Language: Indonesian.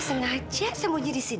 jangan ma jangan